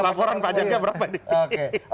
laporan pajaknya berapa nih